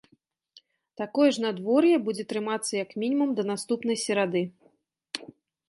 Такое ж надвор'е будзе трымацца як мінімум да наступнай серады.